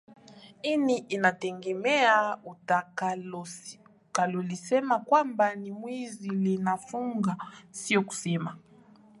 ini inatengemea utakalolisema kwamba ni mwizi linamfunga sio kusema